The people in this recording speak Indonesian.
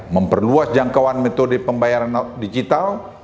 memperluas jangkauan metode pembayaran digital